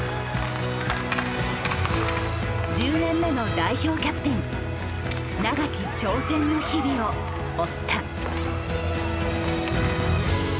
１０年目の代表キャプテン長き挑戦の日々を追った。